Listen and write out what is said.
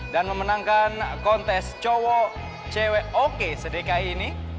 dan memenangkan kontes cowok cewek oke sedekah ini